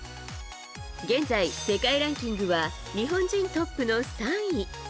現在、世界ランキングは日本人トップの３位。